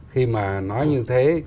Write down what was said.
khi mà nói như thế